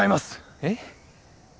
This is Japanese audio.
えっ？